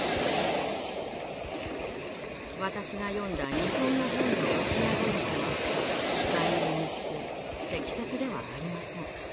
私が読んだ日本の本のロシア語訳は控えめに言って適切ではありません。